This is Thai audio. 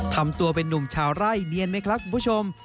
ทำตัวเป็นนุ่มชาวไร่เนียนไหมครับคุณผู้ชม